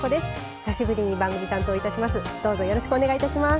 久しぶりに番組を担当いたします。